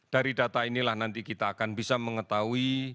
dari data inilah nanti kita akan bisa mengetahui